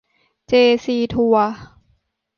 เจซีทัวร์